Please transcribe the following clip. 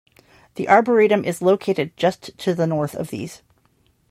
The arboretum is located just to the north of these.